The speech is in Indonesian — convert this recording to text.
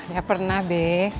ya pernah be